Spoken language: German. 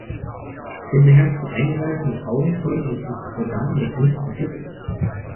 Dem beherzten Eingreifen des Augenzeugen ist es zu verdanken, dass nichts passiert ist.